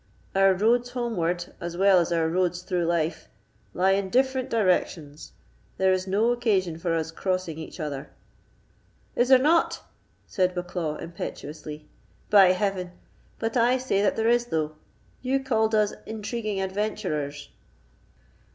Our roads homeward, as well as our roads through life, lie in different directions; there is no occasion for us crossing each other." "Is there not?" said Bucklaw, impetuously. "By Heaven! but I say that there is, though: you called us intriguing adventurers."